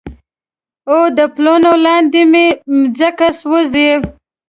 او د پلونو لاندې مې مځکه سوزي